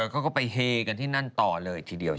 เขาก็ไปเฮกันที่นั่นต่อเลยทีเดียว